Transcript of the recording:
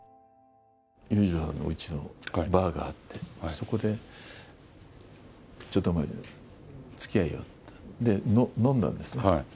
裕次郎さんの家にバーがあって、そこで、ちょっとお前、つきあえよって言われて、飲んだんですね。